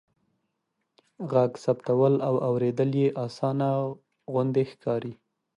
ږغ ثبتول او اوریدل يې آسانه غوندې ښکاري.